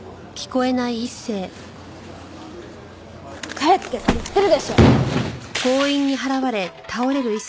帰ってって言ってるでしょ！